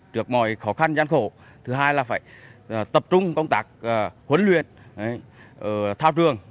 ngoài khó khăn gian khổ thứ hai là phải tập trung công tác huấn luyện thao trường